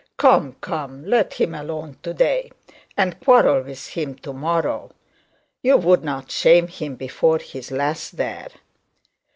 'Come, come, let him alone to day, and quarrel with him to morrow. You wouldn't shame him before his lass there?'